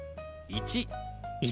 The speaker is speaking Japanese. １。